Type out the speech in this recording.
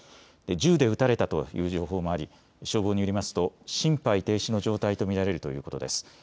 銃で撃たれたという情報もあり消防によりますと心肺停止の状態と見られるということです。